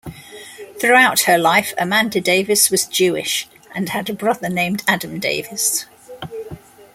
Throughout her life Amanda Davis was Jewish and had a brother named Adam Davis.